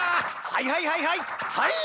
はいはいはいはい！